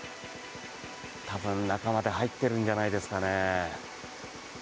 多分、中まで入っているんじゃないですかね。